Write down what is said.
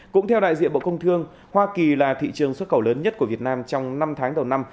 cũng theo đại diện bộ công thương hoa kỳ là thị trường xuất khẩu lớn nhất của việt nam trong năm tháng đầu năm